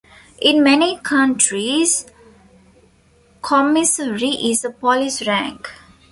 In many countries, commissary is a police rank.